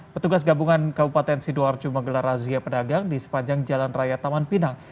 petugas gabungan kabupaten sidoarjo menggelar razia pedagang di sepanjang jalan raya taman pinang